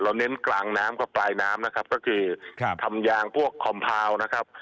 เน้นกลางน้ำกับปลายน้ำนะครับก็คือครับทำยางพวกคอมพาวนะครับ